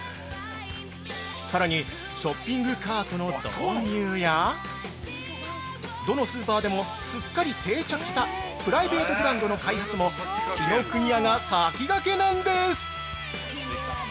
さらに、ショッピングカートの導入や、どのスーパーでもすっかり定着したプライベートブランドの開発も紀ノ国屋が先駆けなんです！